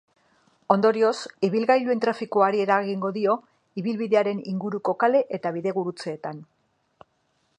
Ondorioz, ibilgailuen trafikoari eragingo dio ibilbidearen inguruko kale eta bidegurutzeetan.